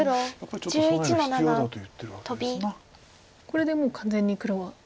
これでもう完全に黒は大丈夫。